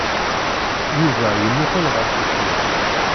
Yuba yemmuqqel ɣer deffir.